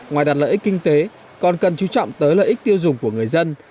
ngoài đặt lợi ích kinh tế còn cần chú trọng tới lợi ích tiêu dùng của người dân